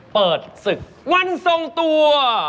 เปิดศึกวันทรงตัว